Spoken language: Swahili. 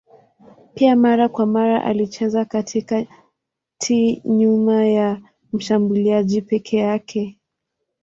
Pia mara kwa mara alicheza katikati nyuma ya mshambuliaji peke yake.